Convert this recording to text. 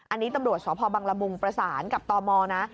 อันนี้ตำรวจสพบังละมุงประสานกับตมนะ